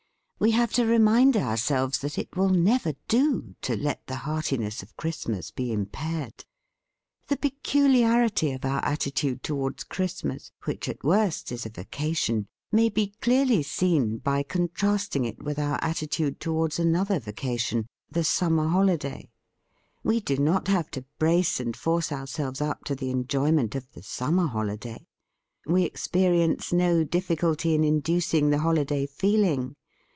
We have to remind ourselves that "it will never do" to let the hearti ness of Christmas be impaired. The peculiarity of our attitude towards Christmas, which at worst is a vaca THE FEAST OF ST FRIEND tion, may be clearly seen by contrasting it with our attitude towards another vacation — the summer holiday. We do not have to brace and force ourselves up to the enjoyment of the summer holiday. We experience no difficulty in inducing the holiday feeling.